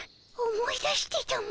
思い出してたも。